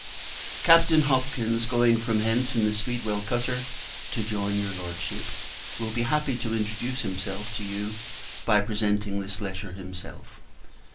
Captain Hopkins, going from hence in the Speedwell cutter to join your Lordship, will be happy to introduce himself to you by presenting this letter himself.